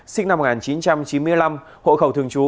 sinh năm một nghìn chín trăm chín mươi năm hộ khẩu thường trú